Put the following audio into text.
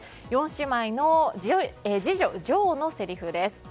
４姉妹の次女ジョーのせりふです。